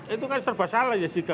itu kan serba salah jessica